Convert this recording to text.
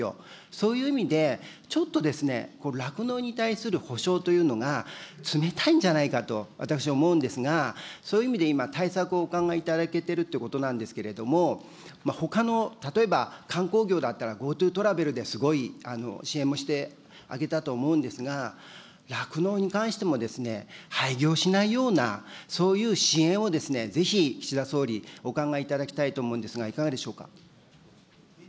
そういう意味で、ちょっと、酪農に対する補償というのが、冷たいんじゃないかと私は思うんですが、そういう意味で今、対策をお考えいただけてるということなんですけれども、ほかの、例えば観光業だったら、ＧｏＴｏトラベルですごい支援もしてあげたと思うんですが、酪農に関しても、廃業しないようなそういう支援を、ぜひ岸田総理、お考えいただきたいと思うんですが、いかがでしょうか。